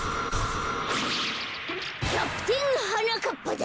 キャプテンはなかっぱだ！